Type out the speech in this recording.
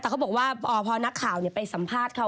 แต่เขาบอกว่าพอนักข่าวไปสัมภาษณ์เขา